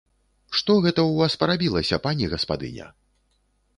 Што гэта ў вас парабілася, пані гаспадыня?